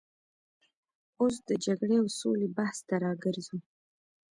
اوس د جګړې او سولې بحث ته راګرځو.